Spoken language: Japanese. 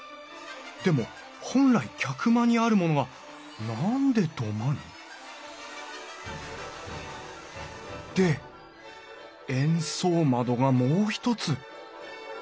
でも本来客間にあるものが何で土間に？で円相窓がもう一つ。